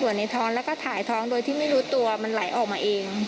ในท้องแล้วก็ถ่ายท้องโดยที่ไม่รู้ตัวมันไหลออกมาเอง